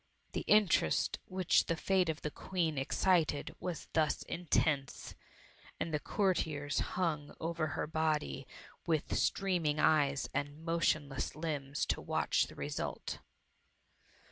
The interest which the fate of the Queen excited was thus intense, and the courtiers hung over her body with streaming eyes and motionless limbs to watch the result.